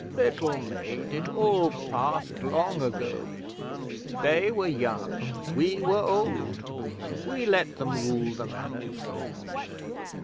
'Little maid, it all passed long ago. They were young; we were old. We let them rule the Manors.